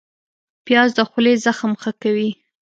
پیاز د خولې زخم ښه کوي